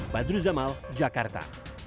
badru jamal jakarta